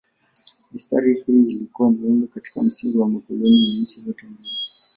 Mistari hii ilikuwa muhimu kama msingi wa makoloni ya nchi zote mbili.